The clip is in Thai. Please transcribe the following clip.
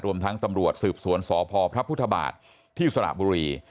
รวมทั้งตำรวจสืบสวนสพพระพุทธบาทที่สระบุรี